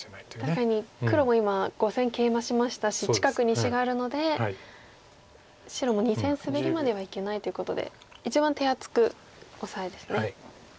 確かに黒も今５線ケイマしましたし近くに石があるので白も２線スベリまではいけないということで一番手厚くオサエですね。